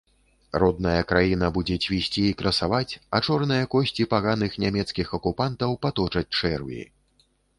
Родная краіна будзе цвісці і красаваць, а чорныя косці паганых нямецкіх акупантаў паточаць чэрві.